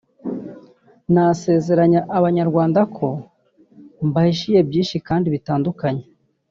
nasezeranya Abanyarwanda ko mbahishiye byinshi kandi bitandukanye